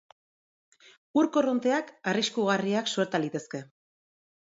Ur korronteak arriskugarriak suerta litezke.